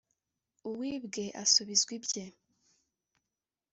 uwibwe asubizwa ibye